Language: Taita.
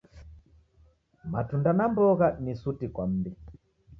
Matunda na mbogha ni suti kwa mmbi